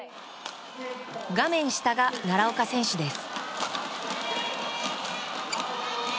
画面下が奈良岡選手です。